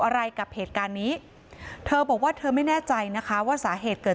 อะไรกับเหตุการณ์นี้เธอบอกว่าเธอไม่แน่ใจนะคะว่าสาเหตุเกิด